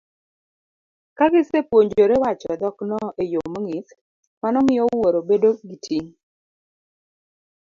Ka gisepuonjore wacho dhokno e yo mong'ith, mano miyo wuoro bedo gi ting'